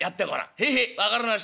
「へえへえ分かりました。